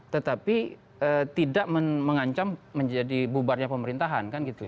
tetapi tidak mengancam menjadi bubarnya pemerintahan